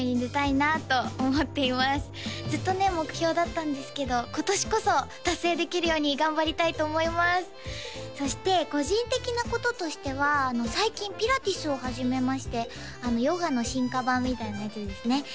ずっとね目標だったんですけど今年こそ達成できるように頑張りたいと思いますそして個人的なこととしては最近ピラティスを始めましてヨガの進化版みたいなやつですね